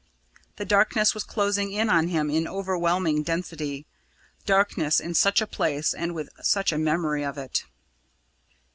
The darkness was closing in on him in overwhelming density darkness in such a place and with such a memory of it!